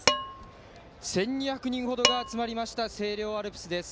１２００人程が集まりました星稜のアルプスです。